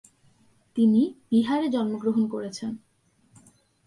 তিনি বিহারে জন্ম গ্রহণ করেছেন।